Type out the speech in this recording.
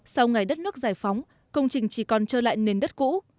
sau ngày đất nước giải phóng công trình chỉ còn trơ lại nền đất cũ